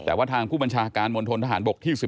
แต่ว่าทางผู้บัญชาการมณฑนทหารบกที่๔